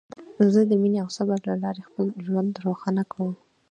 زه د مینې او صبر له لارې خپل ژوند روښانه کوم.